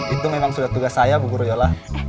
itu memang sudah tugas saya bu guryola